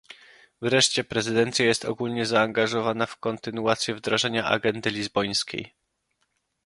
Wreszcie prezydencja jest ogólnie zaangażowana w kontynuację wdrażania agendy lizbońskiej